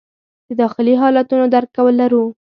د داخلي حالتونو درک کول لرو.